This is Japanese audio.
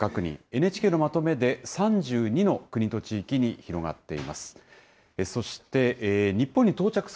ＮＨＫのまとめで３２の国と地域に広がっています。